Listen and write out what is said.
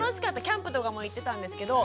キャンプとかも行ってたんですけど。